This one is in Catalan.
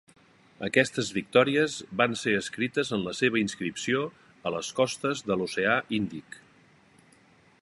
Aquestes victòries van ser escrites en la seva inscripció a les costes de l'oceà Índic.